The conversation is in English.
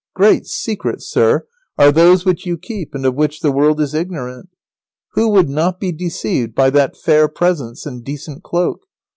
] Great secrets, sir, are those which you keep and of which the world is ignorant. Who would not be deceived by that fair presence and decent cloak?